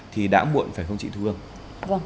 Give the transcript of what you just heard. thì đã muộn phải không chị thu hương